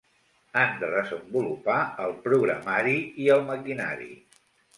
Han de desenvolupar el programari i el maquinari.